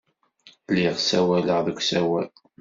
Lliɣ ssawaleɣ deg usawal.